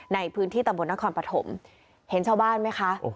ในพื้นที่ตำบลนครปฐมเห็นชาวบ้านไหมคะ